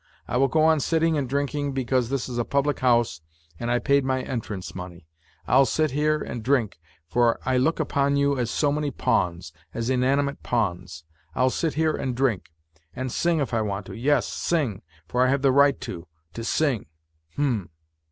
I will go on sitting and drinking, because this is a public house and I paid my entrance money. I'll sit here and drink, for I look upon you as so many pawns, as inanimate pawns. I'll sit here and drink ... and sing if I want to, yes, sing, for I have the right to ... to sing ... H'm